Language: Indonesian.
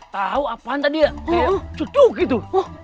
tau apaan tadi ya kayak ceduk gitu